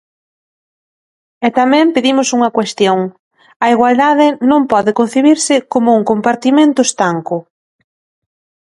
E tamén pedimos unha cuestión: a igualdade non pode concibirse como un compartimento estanco.